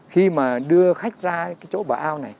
khi mà đưa khách ra cái chỗ bờ ao này